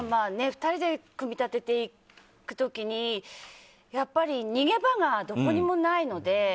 ２人で組み立てていく時に逃げ場がどこにもないので。